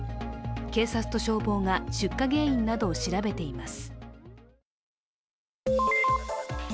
警察と消防が出火原因などを調べています。